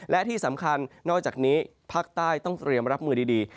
และที่สำคัญนอกจากนี้ภาคใต้ต้องเตรียมรับมือดี